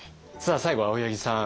最後は青柳さん。